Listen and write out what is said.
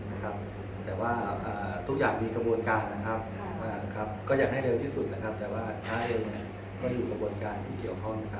ก็คงใช้เวลาไม่นานนะครับแต่ว่าทุกอย่างมีกระบวนการนะครับก็อยากให้เร็วที่สุดนะครับแต่ว่าถ้าให้เร็วเนี่ยก็อยู่กระบวนการที่เกี่ยวข้องนะครับ